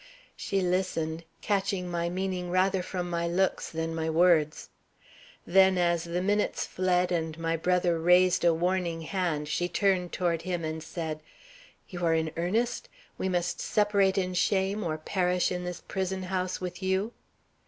She listened, catching my meaning rather from my looks than my words. Then as the minutes fled and my brother raised a warning hand, she turned toward him, and said: "You are in earnest? We must separate in shame or perish in this prison house with you?"